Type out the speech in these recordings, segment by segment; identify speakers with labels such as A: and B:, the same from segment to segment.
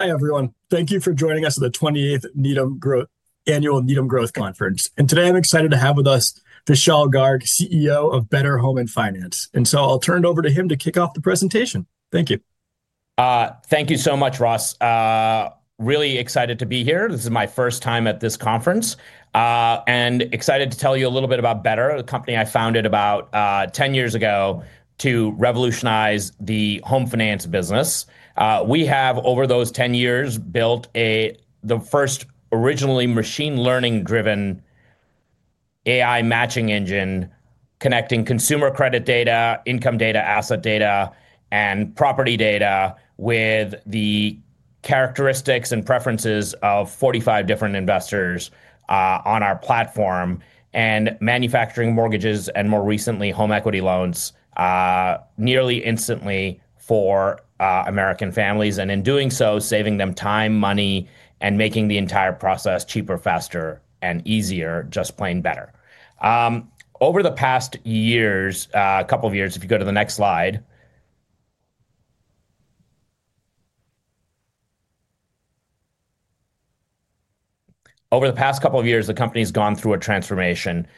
A: Hi everyone, thank you for joining us at the 28th Annual Needham Growth Conference. And today I'm excited to have with us Vishal Garg, CEO of Better Home & Finance. And so I'll turn it over to him to kick off the presentation. Thank you.
B: Thank you so much, Ross. Really excited to be here. This is my first time at this conference, and excited to tell you a little bit about Better, a company I founded about 10 years ago to revolutionize the home finance business. We have, over those 10 years, built the first originally machine learning-driven AI matching engine connecting consumer credit data, income data, asset data, and property data with the characteristics and preferences of 45 different investors on our platform, and manufacturing mortgages, and more recently home equity loans nearly instantly for American families, and in doing so, saving them time, money, and making the entire process cheaper, faster, and easier, just plain Better. Over the past couple of years, if you go to the next slide, the company has gone through a transformation.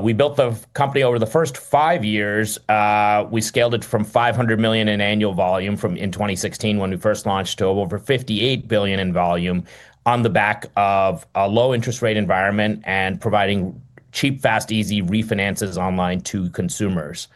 B: We built the company over the first five years. We scaled it from $500 million in annual volume in 2016 when we first launched to over $58 billion in volume on the back of a low-interest rate environment and providing cheap, fast, easy refinances online to consumers.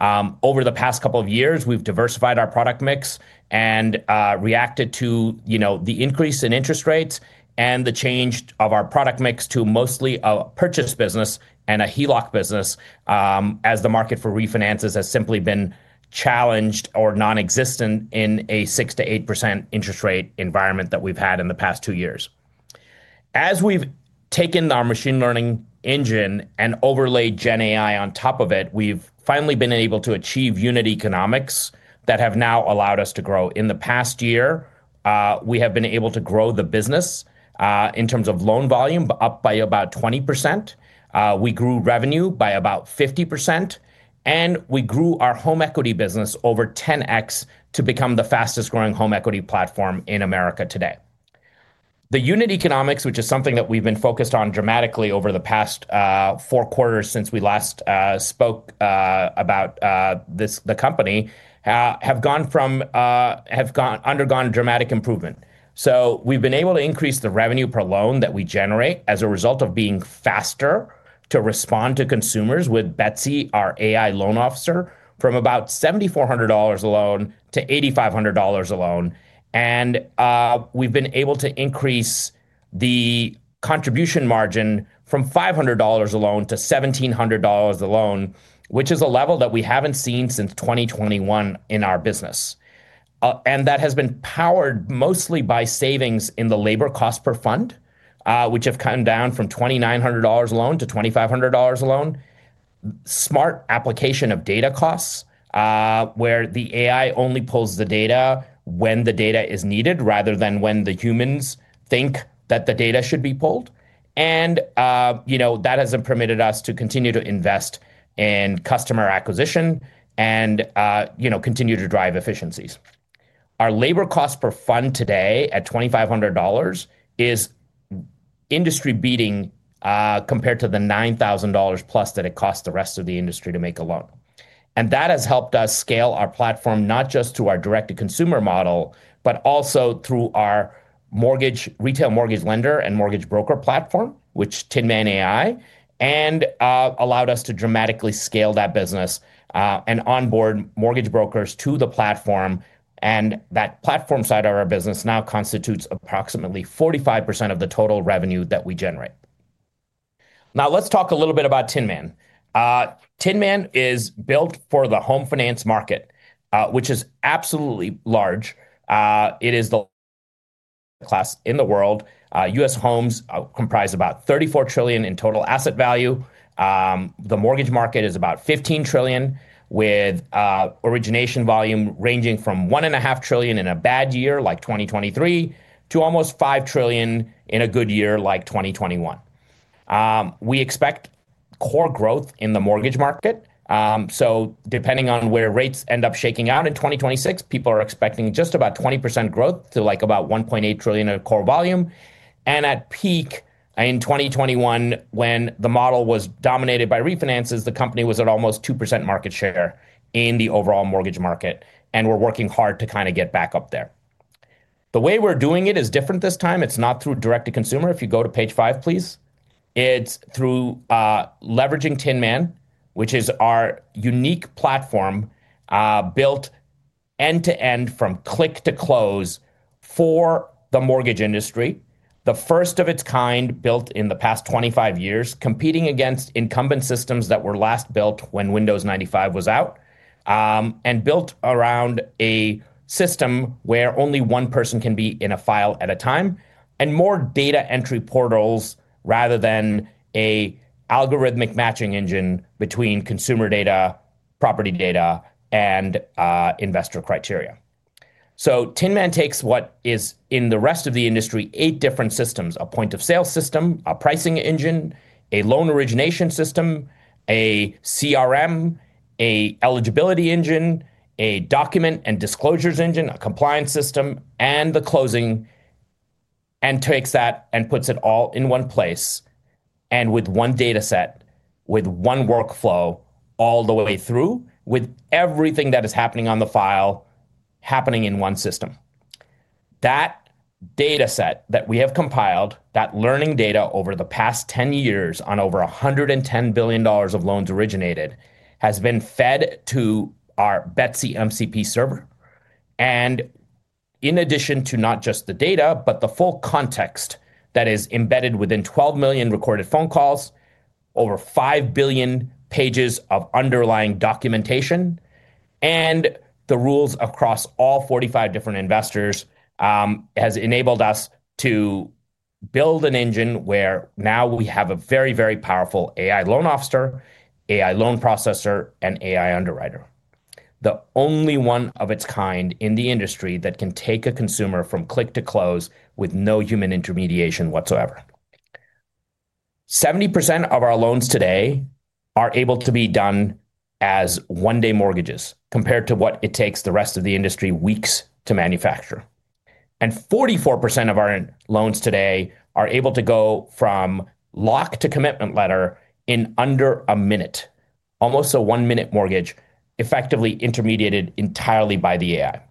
B: Over the past couple of years, we've diversified our product mix and reacted to the increase in interest rates and the change of our product mix to mostly a purchase business and a HELOC business as the market for refinances has simply been challenged or non-existent in a 6%-8% interest rate environment that we've had in the past two years. As we've taken our machine learning engine and overlaid GenAI on top of it, we've finally been able to achieve unit economics that have now allowed us to grow. In the past year, we have been able to grow the business in terms of loan volume up by about 20%. We grew revenue by about 50%, and we grew our home equity business over 10x to become the fastest growing home equity platform in America today. The unit economics, which is something that we've been focused on dramatically over the past four quarters since we last spoke about the company, have undergone dramatic improvement. So we've been able to increase the revenue per loan that we generate as a result of being faster to respond to consumers with Betsy, our AI loan officer, from about $7,400 a loan to $8,500 a loan. And we've been able to increase the contribution margin from $500 a loan to $1,700 a loan, which is a level that we haven't seen since 2021 in our business. And that has been powered mostly by savings in the labor cost per fund, which have come down from $2,900 a loan to $2,500 a loan. Smart application of data costs where the AI only pulls the data when the data is needed rather than when the humans think that the data should be pulled. And that has permitted us to continue to invest in customer acquisition and continue to drive efficiencies. Our labor cost per fund today at $2,500 is industry-beating compared to the $9,000 plus that it costs the rest of the industry to make a loan. And that has helped us scale our platform not just to our direct-to-consumer model, but also through our retail mortgage lender and mortgage broker platform, which is Tinman AI, and allowed us to dramatically scale that business and onboard mortgage brokers to the platform. That platform side of our business now constitutes approximately 45% of the total revenue that we generate. Now let's talk a little bit about Tinman. Tinman is built for the home finance market, which is absolutely large. It is the largest asset class in the world. U.S. homes comprise about $34 trillion in total asset value. The mortgage market is about $15 trillion, with origination volume ranging from $1.5 trillion in a bad year, like 2023, to almost $5 trillion in a good year, like 2021. We expect core growth in the mortgage market. So depending on where rates end up shaking out in 2026, people are expecting just about 20% growth to about $1.8 trillion of core volume. And at peak in 2021, when the model was dominated by refinances, the company was at almost 2% market share in the overall mortgage market. And we're working hard to kind of get back up there. The way we're doing it is different this time. It's not through direct-to-consumer. If you go to page five, please. It's through leveraging Tinman, which is our unique platform built end-to-end from click to close for the mortgage industry, the first of its kind built in the past 25 years, competing against incumbent systems that were last built when Windows 95 was out, and built around a system where only one person can be in a file at a time, and more data entry portals rather than an algorithmic matching engine between consumer data, property data, and investor criteria. So Tinman takes what is, in the rest of the industry, eight different systems: a point-of-sale system, a pricing engine, a loan origination system, a CRM, an eligibility engine, a document and disclosures engine, a compliance system, and the closing, and takes that and puts it all in one place and with one data set, with one workflow all the way through, with everything that is happening on the file happening in one system. That data set that we have compiled, that learning data over the past 10 years on over $110 billion of loans originated, has been fed to our Betsy MCP server. And in addition to not just the data, but the full context that is embedded within 12 million recorded phone calls, over 5 billion pages of underlying documentation, and the rules across all 45 different investors, has enabled us to build an engine where now we have a very, very powerful AI loan officer, AI loan processor, and AI underwriter. The only one of its kind in the industry that can take a consumer from click to close with no human intermediation whatsoever. 70% of our loans today are able to be done as one-day mortgages compared to what it takes the rest of the industry weeks to manufacture. And 44% of our loans today are able to go from lock to commitment letter in under a minute, almost a one-minute mortgage effectively intermediated entirely by the AI.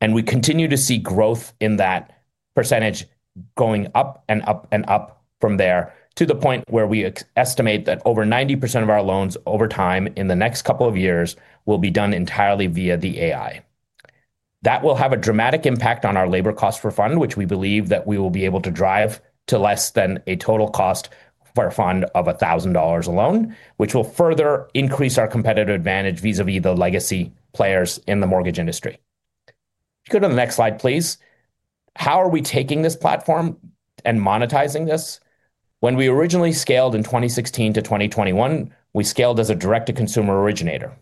B: And we continue to see growth in that percentage going up and up and up from there to the point where we estimate that over 90% of our loans over time in the next couple of years will be done entirely via the AI. That will have a dramatic impact on our labor cost per fund, which we believe that we will be able to drive to less than a total cost per fund of $1,000 a loan, which will further increase our competitive advantage vis-à-vis the legacy players in the mortgage industry. If you go to the next slide, please. How are we taking this platform and monetizing this? When we originally scaled in 2016 to 2021, we scaled as a direct-to-consumer originator.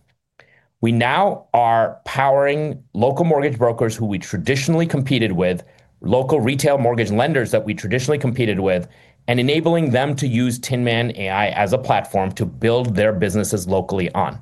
B: We now are powering local mortgage brokers who we traditionally competed with, local retail mortgage lenders that we traditionally competed with, and enabling them to use Tinman AI as a platform to build their businesses locally on.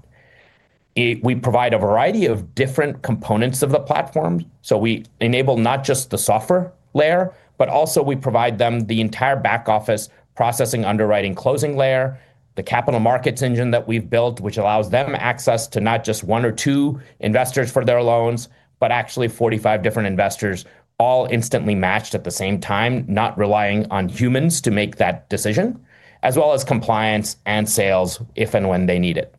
B: We provide a variety of different components of the platform. So we enable not just the software layer, but also we provide them the entire back office processing, underwriting, closing layer, the capital markets engine that we've built, which allows them access to not just one or two investors for their loans, but actually 45 different investors all instantly matched at the same time, not relying on humans to make that decision, as well as compliance and sales if and when they need it.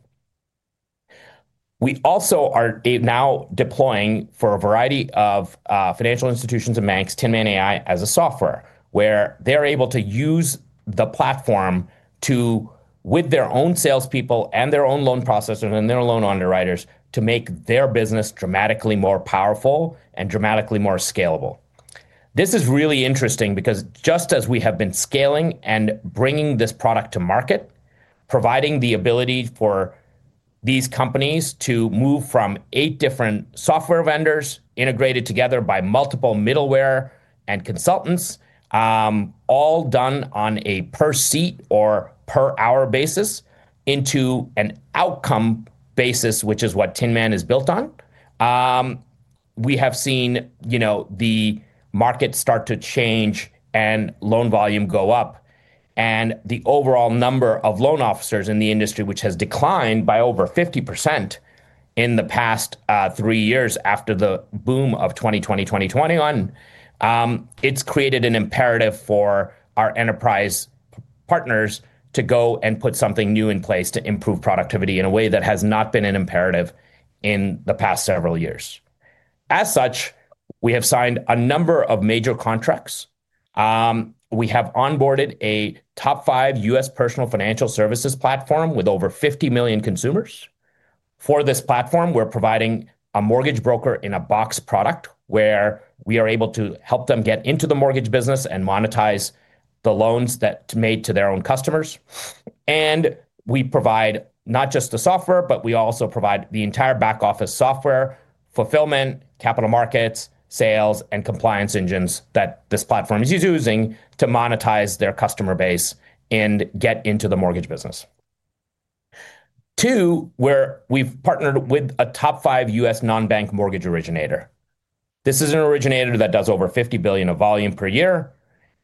B: We also are now deploying for a variety of financial institutions and banks Tinman AI as a software where they're able to use the platform with their own salespeople and their own loan processors and their loan underwriters to make their business dramatically more powerful and dramatically more scalable. This is really interesting because just as we have been scaling and bringing this product to market, providing the ability for these companies to move from eight different software vendors integrated together by multiple middleware and consultants, all done on a per-seat or per-hour basis into an outcome basis, which is what Tinman is built on. We have seen the market start to change and loan volume go up, and the overall number of loan officers in the industry, which has declined by over 50% in the past three years after the boom of 2020, 2021. It's created an imperative for our enterprise partners to go and put something new in place to improve productivity in a way that has not been an imperative in the past several years. As such, we have signed a number of major contracts. We have onboarded a top five U.S. personal financial services platform with over 50 million consumers. For this platform, we're providing a mortgage broker in a box product where we are able to help them get into the mortgage business and monetize the loans that are made to their own customers. We provide not just the software, but we also provide the entire back office software, fulfillment, capital markets, sales, and compliance engines that this platform is using to monetize their customer base and get into the mortgage business. Two, where we've partnered with a top five U.S. non-bank mortgage originator. This is an originator that does over $50 billion of volume per year,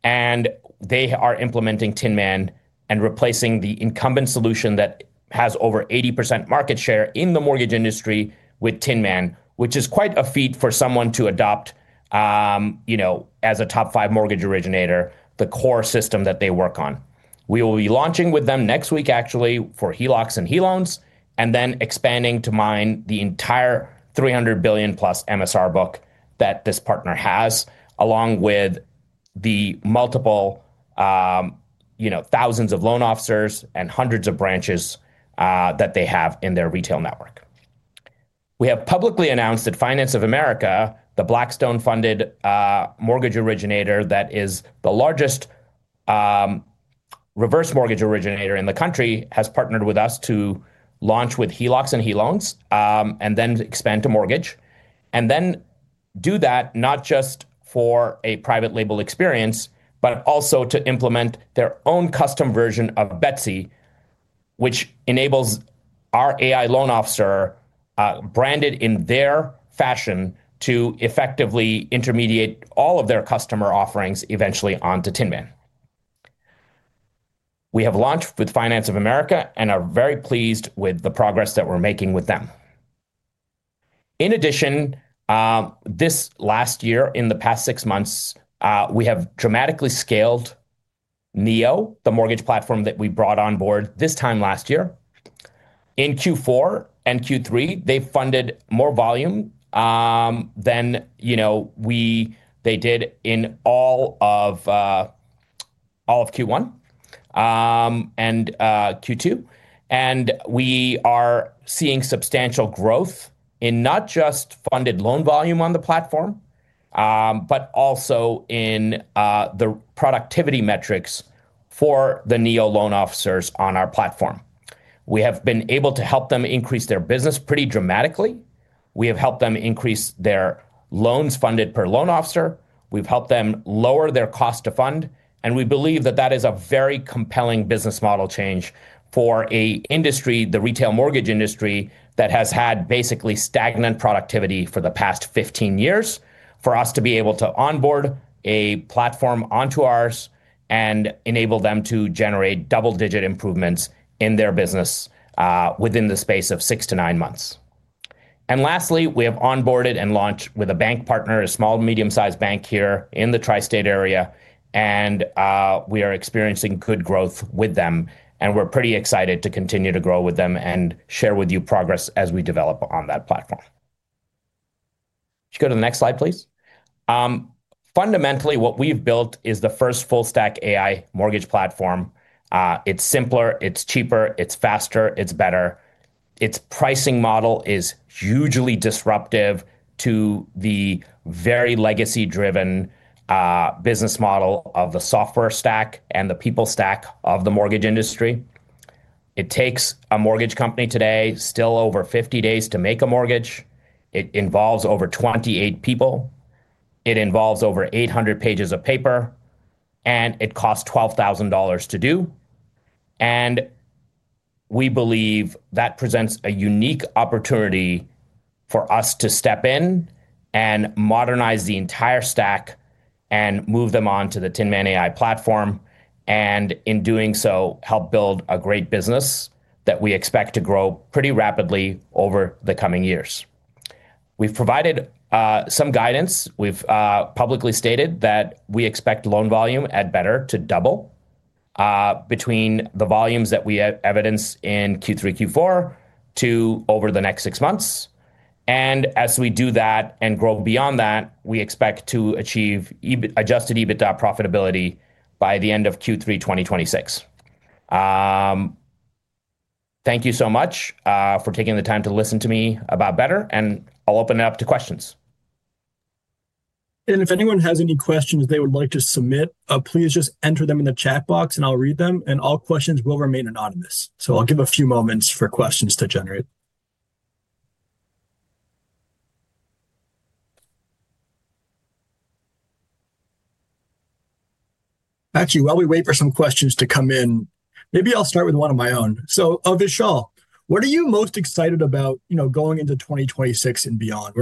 B: and they are implementing Tinman and replacing the incumbent solution that has over 80% market share in the mortgage industry with Tinman, which is quite a feat for someone to adopt as a top five mortgage originator the core system that they work on. We will be launching with them next week, actually, for HELOCs and HELOANs, and then expanding to mine the entire $300 billion+ MSR book that this partner has, along with the multiple thousands of loan officers and hundreds of branches that they have in their retail network. We have publicly announced that Finance of America, the Blackstone-funded mortgage originator that is the largest reverse mortgage originator in the country, has partnered with us to launch with HELOCs and HELOANs and then expand to mortgage and then do that not just for a private label experience, but also to implement their own custom version of Betsy, which enables our AI loan officer branded in their fashion to effectively intermediate all of their customer offerings eventually onto Tinman. We have launched with Finance of America and are very pleased with the progress that we're making with them. In addition, this last year, in the past six months, we have dramatically scaled Neo, the mortgage platform that we brought on board this time last year. In Q4 and Q3, they funded more volume than they did in all of Q1 and Q2, and we are seeing substantial growth in not just funded loan volume on the platform, but also in the productivity metrics for the Neo loan officers on our platform. We have been able to help them increase their business pretty dramatically. We have helped them increase their loans funded per loan officer. We've helped them lower their cost to fund. And we believe that that is a very compelling business model change for an industry, the retail mortgage industry, that has had basically stagnant productivity for the past 15 years for us to be able to onboard a platform onto ours and enable them to generate double-digit improvements in their business within the space of six to nine months. And lastly, we have onboarded and launched with a bank partner, a small to medium-sized bank here in the Tri-State area. And we are experiencing good growth with them. And we're pretty excited to continue to grow with them and share with you progress as we develop on that platform. If you go to the next slide, please. Fundamentally, what we've built is the first full-stack AI mortgage platform. It's simpler, it's cheaper, it's faster, it's better. Its pricing model is hugely disruptive to the very legacy-driven business model of the software stack and the people stack of the mortgage industry. It takes a mortgage company today still over 50 days to make a mortgage. It involves over 28 people. It involves over 800 pages of paper, and it costs $12,000 to do, and we believe that presents a unique opportunity for us to step in and modernize the entire stack and move them on to the Tinman AI platform and in doing so help build a great business that we expect to grow pretty rapidly over the coming years. We've provided some guidance. We've publicly stated that we expect loan volume at Better to double between the volumes that we evidence in Q3, Q4 to over the next six months. And as we do that and grow beyond that, we expect to achieve Adjusted EBITDA profitability by the end of Q3 2026. Thank you so much for taking the time to listen to me about Better. And I'll open it up to questions.
A: And if anyone has any questions they would like to submit, please just enter them in the chat box and I'll read them. And all questions will remain anonymous. So I'll give a few moments for questions to generate. Actually, while we wait for some questions to come in, maybe I'll start with one of my own. So Vishal, what are you most excited about going into 2026 and beyond?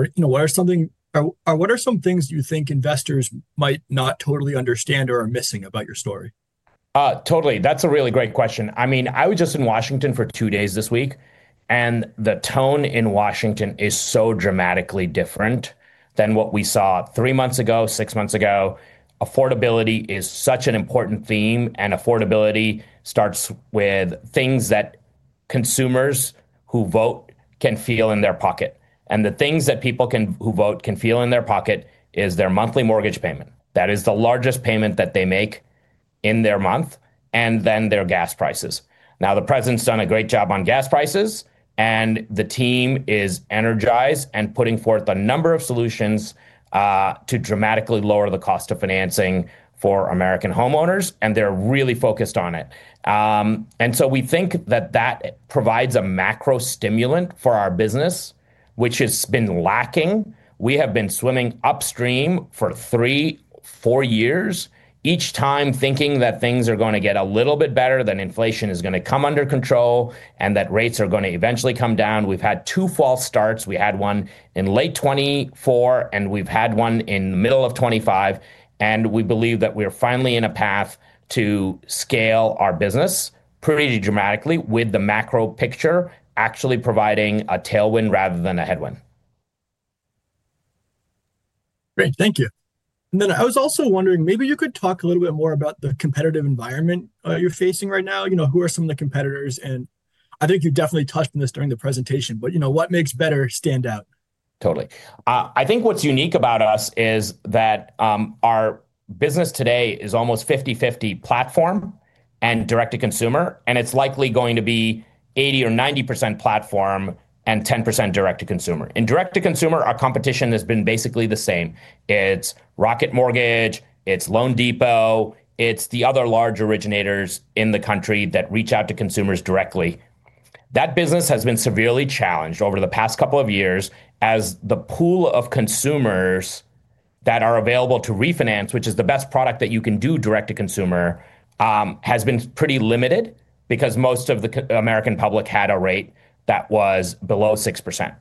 A: What are some things you think investors might not totally understand or are missing about your story?
B: Totally. That's a really great question. I mean, I was just in Washington for two days this week, and the tone in Washington is so dramatically different than what we saw three months ago, six months ago. Affordability is such an important theme, and affordability starts with things that consumers who vote can feel in their pocket. And the things that people who vote can feel in their pocket is their monthly mortgage payment. That is the largest payment that they make in their month, and then their gas prices. Now, the president's done a great job on gas prices, and the team is energized and putting forth a number of solutions to dramatically lower the cost of financing for American homeowners. And they're really focused on it, and so we think that that provides a macro stimulant for our business, which has been lacking. We have been swimming upstream for three, four years, each time thinking that things are going to get a little bit better, that inflation is going to come under control, and that rates are going to eventually come down. We've had two false starts. We had one in late 2024, and we've had one in the middle of 2025, and we believe that we are finally in a path to scale our business pretty dramatically with the macro picture actually providing a tailwind rather than a headwind.
A: Great. Thank you, and then I was also wondering, maybe you could talk a little bit more about the competitive environment you're facing right now. Who are some of the competitors? and I think you definitely touched on this during the presentation, but what makes Better stand out?
B: Totally. I think what's unique about us is that our business today is almost 50/50 platform and direct-to-consumer, and it's likely going to be 80% or 90% platform and 10% direct-to-consumer. In direct-to-consumer, our competition has been basically the same. It's Rocket Mortgage. It's loanDepot. It's the other large originators in the country that reach out to consumers directly. That business has been severely challenged over the past couple of years as the pool of consumers that are available to refinance, which is the best product that you can do direct-to-consumer, has been pretty limited because most of the American public had a rate that was below 6%.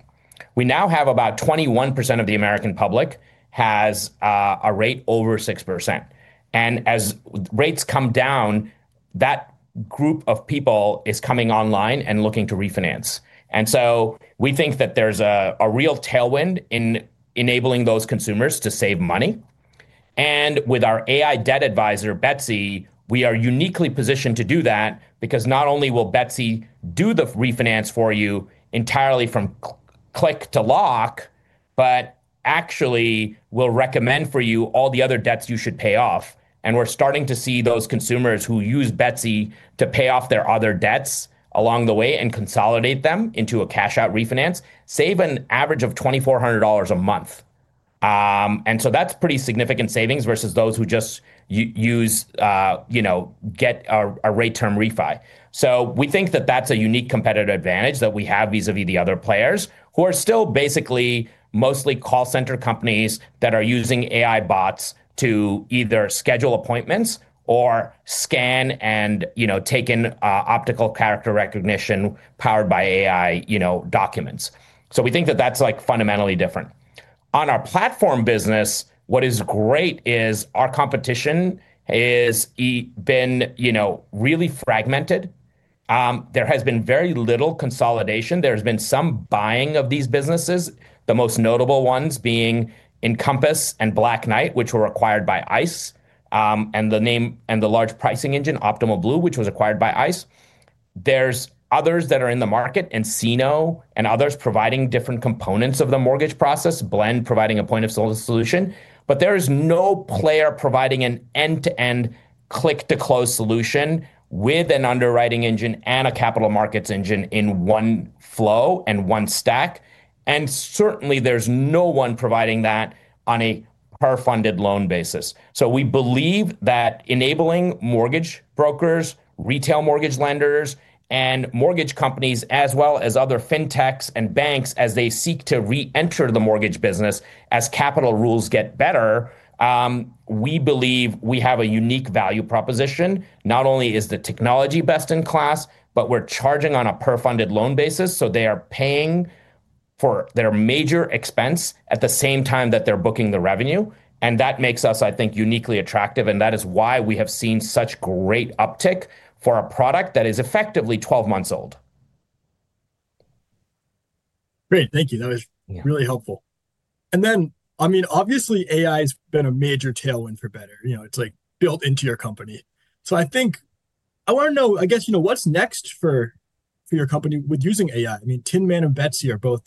B: We now have about 21% of the American public has a rate over 6%, and as rates come down, that group of people is coming online and looking to refinance. And so we think that there's a real tailwind in enabling those consumers to save money. And with our AI debt advisor, Betsy, we are uniquely positioned to do that because not only will Betsy do the refinance for you entirely from click to lock, but actually will recommend for you all the other debts you should pay off. And we're starting to see those consumers who use Betsy to pay off their other debts along the way and consolidate them into a cash-out refinance save an average of $2,400 a month. And so that's pretty significant savings versus those who just get a rate-term refi. So we think that that's a unique competitive advantage that we have vis-à-vis the other players who are still basically mostly call center companies that are using AI bots to either schedule appointments or scan and take in optical character recognition powered by AI documents. So we think that that's fundamentally different. On our platform business, what is great is our competition has been really fragmented. There has been very little consolidation. There has been some buying of these businesses, the most notable ones being Encompass and Black Knight, which were acquired by ICE, and the large pricing engine, Optimal Blue, which was acquired by ICE. There's others that are in the market, nCino and others providing different components of the mortgage process, Blend providing a point-of-sale solution. But there is no player providing an end-to-end click-to-close solution with an underwriting engine and a capital markets engine in one flow and one stack. And certainly, there's no one providing that on a per-funded loan basis. So we believe that enabling mortgage brokers, retail mortgage lenders, and mortgage companies, as well as other fintechs and banks as they seek to re-enter the mortgage business as capital rules get better, we believe we have a unique value proposition. Not only is the technology best in class, but we're charging on a per-funded loan basis. So they are paying for their major expense at the same time that they're booking the revenue. And that makes us, I think, uniquely attractive. And that is why we have seen such great uptick for a product that is effectively 12 months old.
A: Great. Thank you. That was really helpful. And then, I mean, obviously, AI has been a major tailwind for Better. It's built into your company. So I think I want to know, I guess, what's next for your company with using AI? I mean, Tinman and Betsy are both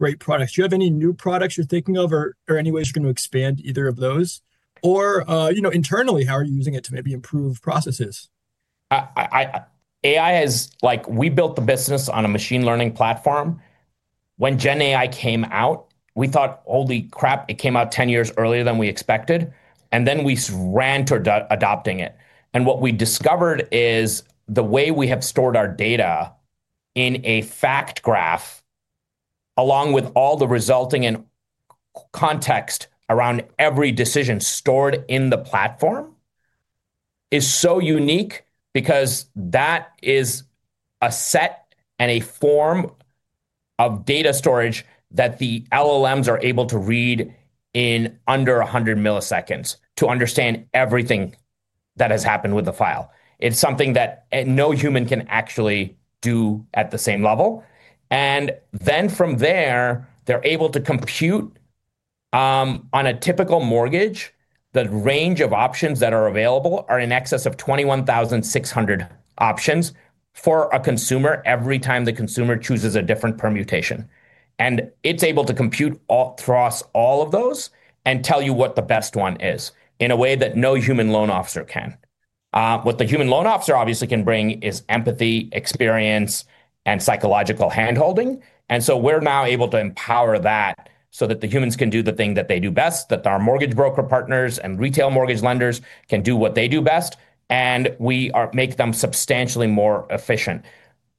A: great products. Do you have any new products you're thinking of or any ways you're going to expand either of those? Or internally, how are you using it to maybe improve processes?
B: As we built the business on a machine learning platform. When GenAI came out, we thought, holy crap, it came out 10 years earlier than we expected. And then we ran toward adopting it. And what we discovered is the way we have stored our data in a fact graph, along with all the resulting context around every decision stored in the platform, is so unique because that is a set and a form of data storage that the LLMs are able to read in under 100 ms to understand everything that has happened with the file. It's something that no human can actually do at the same level. And then from there, they're able to compute on a typical mortgage, the range of options that are available are in excess of 21,600 options for a consumer every time the consumer chooses a different permutation. And it's able to compute across all of those and tell you what the best one is in a way that no human loan officer can. What the human loan officer obviously can bring is empathy, experience, and psychological handholding. And so we're now able to empower that so that the humans can do the thing that they do best, that our mortgage broker partners and retail mortgage lenders can do what they do best. And we make them substantially more efficient.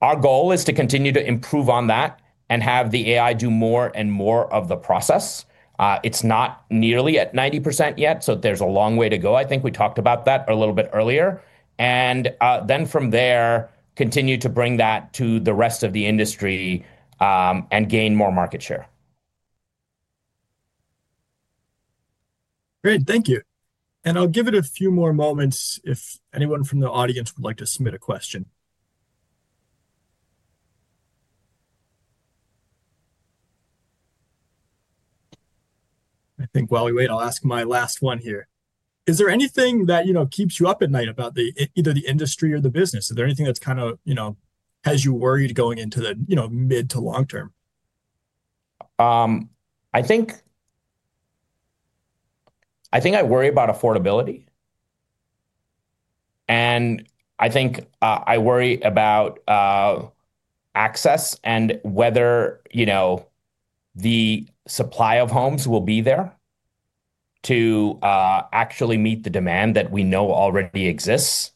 B: Our goal is to continue to improve on that and have the AI do more and more of the process. It's not nearly at 90% yet. So there's a long way to go. I think we talked about that a little bit earlier. And then from there, continue to bring that to the rest of the industry and gain more market share.
A: Great. Thank you, and I'll give it a few more moments if anyone from the audience would like to submit a question. I think while we wait, I'll ask my last one here. Is there anything that keeps you up at night about either the industry or the business? Is there anything that kind of has you worried going into the mid to long term?
B: I think I worry about affordability, and I think I worry about access and whether the supply of homes will be there to actually meet the demand that we know already exists.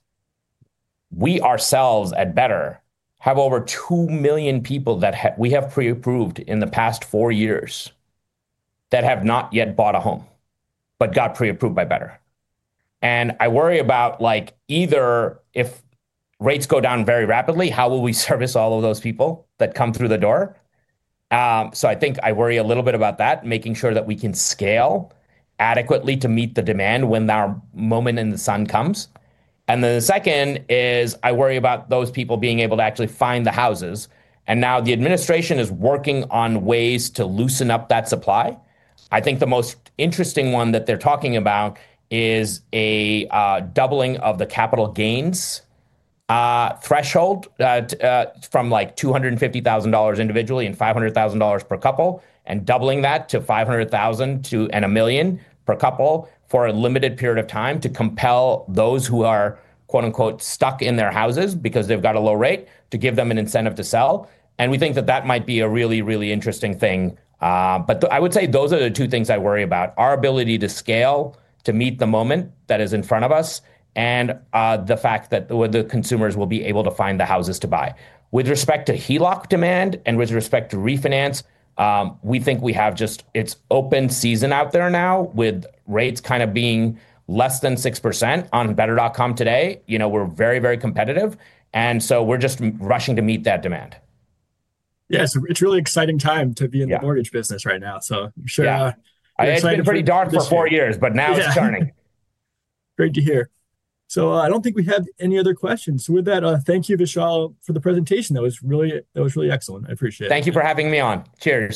B: We ourselves at Better have over two million people that we have pre-approved in the past four years that have not yet bought a home but got pre-approved by Better, and I worry about either if rates go down very rapidly, how will we service all of those people that come through the door? So I think I worry a little bit about that, making sure that we can scale adequately to meet the demand when our moment in the sun comes, and then the second is I worry about those people being able to actually find the houses, and now the administration is working on ways to loosen up that supply. I think the most interesting one that they're talking about is a doubling of the capital gains threshold from $250,000 individually and $500,000 per couple and doubling that to $500,000 and $1 million per couple for a limited period of time to compel those who are "stuck in their houses" because they've got a low rate to give them an incentive to sell. And we think that that might be a really, really interesting thing. But I would say those are the two things I worry about: our ability to scale, to meet the moment that is in front of us, and the fact that the consumers will be able to find the houses to buy. With respect to HELOC demand and with respect to refinance, we think we have just it's open season out there now with rates kind of being less than 6% on better.com today. We're very, very competitive, and so we're just rushing to meet that demand.
A: Yeah. So it's a really exciting time to be in the mortgage business right now. So I'm sure.
B: Yeah. It's been pretty dark for four years, but now it's turning.
A: Great to hear. So I don't think we have any other questions. So with that, thank you, Vishal, for the presentation. That was really excellent. I appreciate it.
B: Thank you for having me on. Cheers.